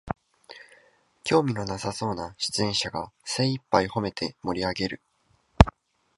興味のなさそうな出演者が精いっぱいほめて盛りあげる